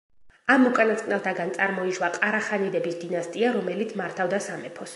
ამ უკანასკნელთაგან წარმოიშვა ყარახანიდების დინასტია, რომელიც მართავდა სამეფოს.